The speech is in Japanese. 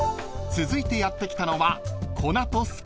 ［続いてやって来たのは］